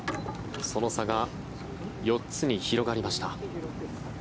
その差が４つに広がりました。